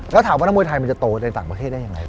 แล้วถามว่านักมวยไทยมันจะโตในต่างประเทศได้ยังไง